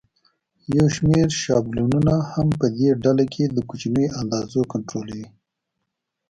یو شمېر شابلونونه هم په دې ډله کې د کوچنیو اندازو کنټرولوي.